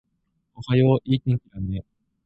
おはよう、いい天気だね